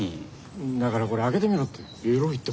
だからこれ開けてみろって。